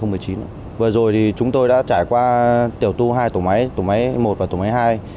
vừa rồi thì chúng tôi đã trải qua tiểu tu hai tổ máy tổ máy một và tổ máy hai